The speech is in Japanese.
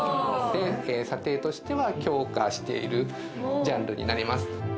査定としては強化しているジャンルになります。